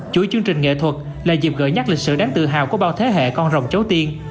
chuỗi chương trình nghệ thuật là dịp gợi nhắc lịch sử đáng tự hào của bao thế hệ con rồng cháu tiên